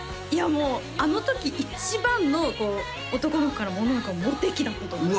もうあの時一番のこう男の子からも女の子からもモテ期だったと思います